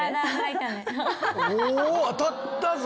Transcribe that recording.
当たったぞ！